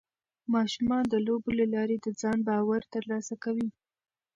ماشومان د لوبو له لارې د ځان باور ترلاسه کوي.